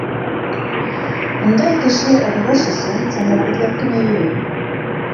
— Ундай кеше ыҙғыш өсөн сәбәп эҙләп кенә йөрөй.